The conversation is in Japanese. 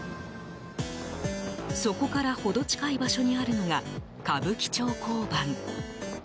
そこからほど近い場所にあるのが歌舞伎町交番。